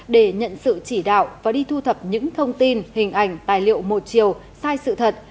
để nhận sự chỉ đạo và đi thu thập những thông tin hình ảnh tài liệu một chiều sai sự thật